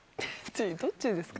どっちですか。